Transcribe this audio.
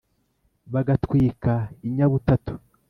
Bakatwita inyabutatu